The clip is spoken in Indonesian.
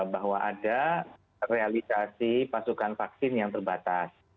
bahwa ada realisasi pasokan vaksin yang terbatas